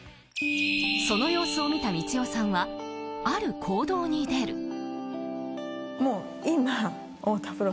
その様子を見た光代さんはある行動に出る。